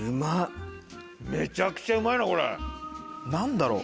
・めちゃくちゃうまいなこれ・何だろう？